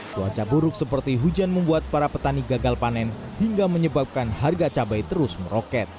cuaca buruk seperti hujan membuat para petani gagal panen hingga menyebabkan harga cabai terus meroket